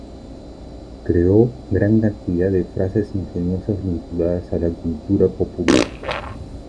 Creó gran cantidad de frases ingeniosas vinculadas a la cultura popular.